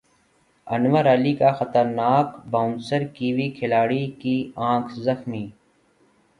انور علی کا خطرناک bouncer Kiwi کھلاڑی کی نکھ زخمی